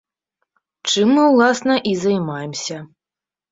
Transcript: Чым мы ўласна і займаемся.